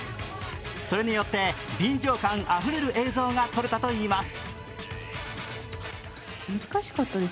それによって臨場感あふれる映像が撮れたといいます。